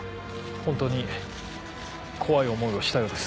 本当に怖い思いをしたようです。